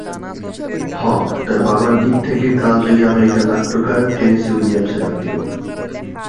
হক, তার বাবার দিক থেকে কালজয়ী আমেরিকান নাট্যকার টেনেসি উইলিয়ামসের আত্মীয়।